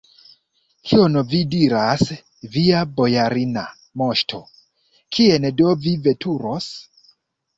Kion vi diras, via bojarina moŝto, kien do vi veturos?